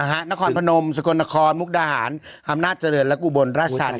นครพนมสกลนครมุกดาหารอำนาจเจริญและอุบลราชธานี